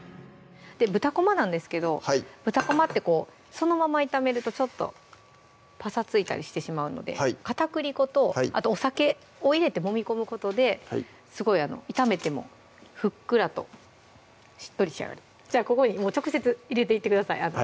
豚こまなんですけど豚こまってこうそのまま炒めるとちょっとパサついたりしてしまうので片栗粉とお酒を入れてもみ込むことですごい炒めてもふっくらとしっとり仕上がるじゃあここにもう直接入れていってください